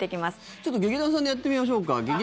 ちょっと劇団さんでやってみましょうか。